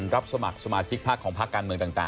รับสมัครสมาชิกพักของภาคการเมืองต่าง